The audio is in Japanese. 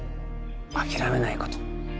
諦めないこと